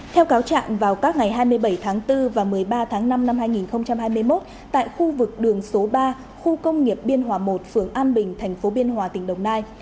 theo cáo trạng vào các ngày hai mươi bảy tháng bốn và một mươi ba tháng năm năm hai nghìn hai mươi một tại khu vực đường số ba khu công nghiệp biên hòa một phường an bình tp biên hòa tỉnh đồng nai